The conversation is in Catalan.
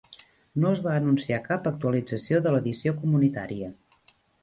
No es va anunciar cap actualització de l'edició comunitària.